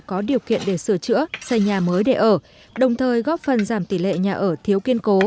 có điều kiện để sửa chữa xây nhà mới để ở đồng thời góp phần giảm tỷ lệ nhà ở thiếu kiên cố